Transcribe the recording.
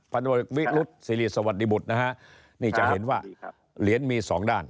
พันธุบัตรวิรุษซีรีส์สวัสดิบุตรนะฮะครับนี่จะเห็นว่าเหรียญมีสองด้าน